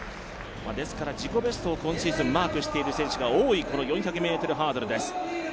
ですから、自己ベストを今シーズンマークしている選手が多いこの４００ｍハードルです。